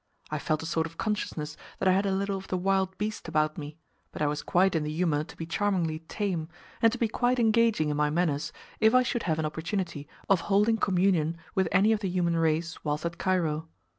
I felt a sort of consciousness that I had a little of the wild beast about me, but I was quite in the humour to be charmingly tame, and to be quite engaging in my manners, if I should have an opportunity of holding communion with any of the human race whilst at Cairo.